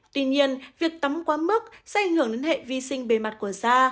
tuy nhiên việc tắm quá mức sẽ ảnh hưởng đến hệ vi sinh bề mặt của da